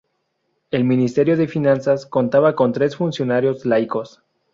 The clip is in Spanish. El Ministerio de Finanzas contaba con tres funcionarios laicos.